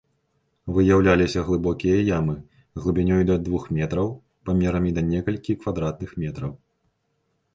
Выяўляліся глыбокія ямы, глыбінёй да двух метраў, памерамі да некалькі квадратных метраў.